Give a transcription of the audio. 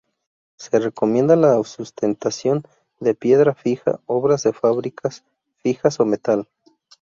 Se recomienda la sustentación de piedra fija, obras de fábrica fijas o metal.